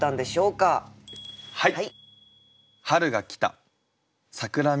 はい。